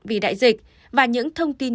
vì đại dịch và những thông tin